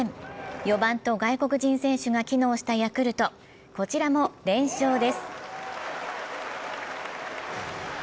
４番と外国人選手が機能したヤクルト、こちらも連勝です。